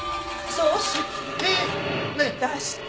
葬式出して。